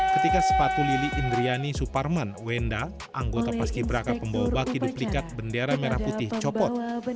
ketika sepatu lili indriani suparman wenda anggota paski beraka pembawa baki duplikat bendera merah putih copot